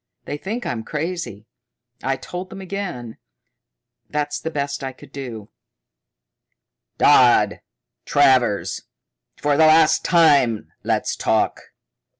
They think I'm crazy. I told them again. That's the best I could do." "Dodd! Travers! For the last time let's talk!"